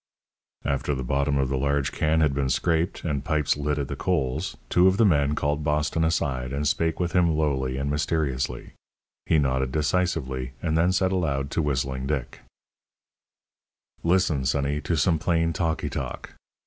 After the bottom of the large can had been scraped, and pipes lit at the coals, two of the men called Boston aside and spake with him lowly and mysteriously. He nodded decisively, and then said aloud to Whistling Dick: "Listen, sonny, to some plain talky talk.